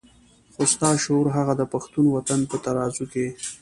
خو ستا شعور هغه د پښتون وطن په ترازو کې.